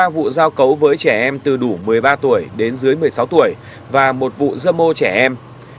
một mươi vụ giao cấu với trẻ em từ đủ một mươi ba tuổi đến dưới một mươi sáu tuổi và một vụ dâm ô trẻ em